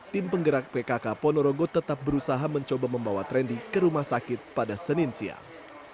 tim penggerak pkk ponorogo tetap berusaha mencoba membawa trendy ke rumah sakit pada senin siang